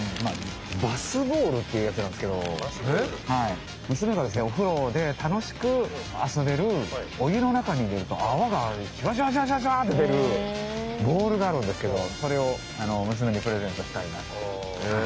バスボールっていうやつなんですけど娘がですねお風呂で楽しく遊べるお湯の中に入れると泡がシュワシュワシュワシュワって出るボールがあるんですけどそれを娘にプレゼントしたいなと。